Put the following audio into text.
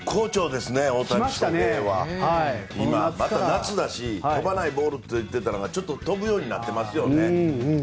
夏だし、飛ばないボールがちょっと飛ぶようになっていますよね。